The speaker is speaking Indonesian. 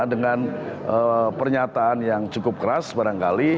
dengan pernyataan yang cukup keras barangkali